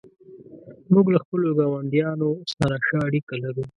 موږ له خپلو ګاونډیانو سره ښه اړیکه لرو.